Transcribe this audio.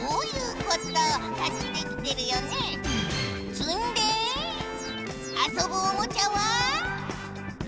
つんであそぶおもちゃは？